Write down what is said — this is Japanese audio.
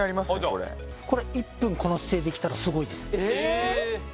これ・これ１分この姿勢できたらすごいです・えっ！？